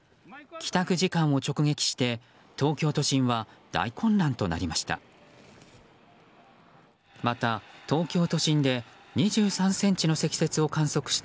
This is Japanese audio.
帰宅時間を直撃して東京都心は大混乱となりました。